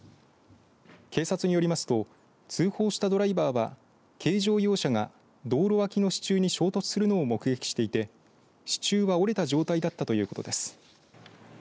警察によりますと通報したドライバーは軽乗用車が道路脇の支柱に衝突するのを目撃していて支柱は折れた状態だったということです。